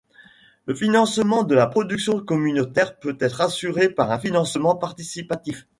Le financement de la production communautaire peut être assuré par un financement participatif.